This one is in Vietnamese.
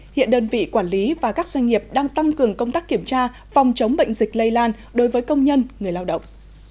hiện đơn vị quản lý và các doanh nghiệp đang tăng cường công tác kiểm tra phòng chống bệnh dịch lây lan đối với công nhân người lao động